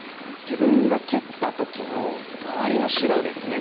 自分が切った時の周りの白ですね。